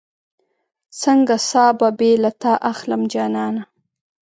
څنګه ساه به بې له تا اخلم جانانه